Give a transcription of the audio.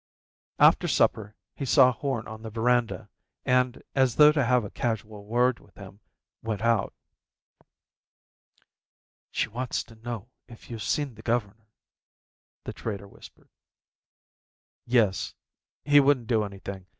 After supper he saw Horn on the verandah and, as though to have a casual word with him, went out. "She wants to know if you've seen the governor," the trader whispered. "Yes. He wouldn't do anything.